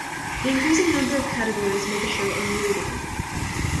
The increasing number of categories made the show unwieldy.